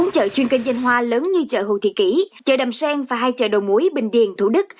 bốn chợ chuyên kinh doanh hoa lớn như chợ hồ thị kỷ chợ đầm sen và hai chợ đầu mối bình điền thủ đức